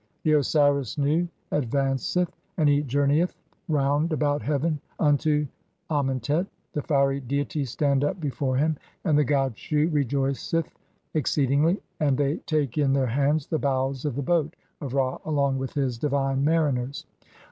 (32) The Osiris Nu advanceth, and he journeyeth round 'about heaven unto Amentet, the fiery deities stand up before 'him, and the god Shu rejoiceth exceedingly, and they take in 'their hands the bows [of the boat] of Ra along with his 'divine mariners.